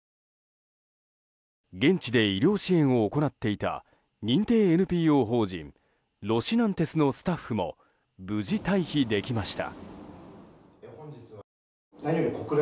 現地で医療支援を行っていた認定ＮＰＯ法人ロシナンテスのスタッフも無事退避できました。